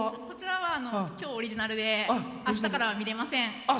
今日オリジナルであしたからは見れません。